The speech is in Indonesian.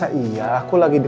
tapi tadi situasinya